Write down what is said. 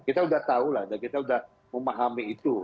kita sudah tahu lah dan kita sudah memahami itu